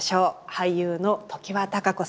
俳優の常盤貴子さん。